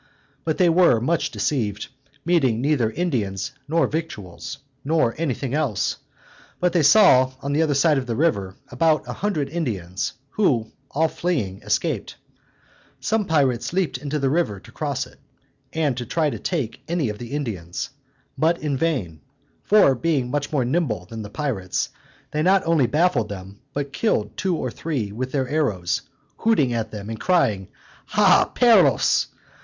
But they were much deceived, meeting neither Indians nor victuals, nor anything else: but they saw, on the other side of the river, about a hundred Indians, who, all fleeing, escaped. Some few pirates leaped into the river to cross it, and try to take any of the Indians, but in vain: for, being much more nimble than the pirates, they not only baffled them, but killed two or three with their arrows; hooting at them, and crying, "Ha, perros!